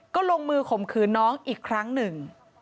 ก็ลงมือข่มขืนน้องอีกครั้งหนึ่ง